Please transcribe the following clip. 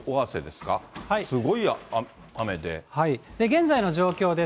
すごい雨で。